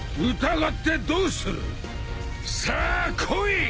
さあ来い！